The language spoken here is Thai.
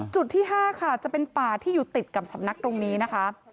จุดที่๕ค่ะจะเป็นป่าที่อยู่ติดกับสำนักตรงนี้นะคะ